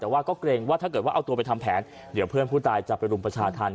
ว่าเอาตัวไปทำแผนเดี๋ยวเพื่อนผู้ตายจับไปรุมประชาธรรม